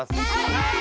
はい！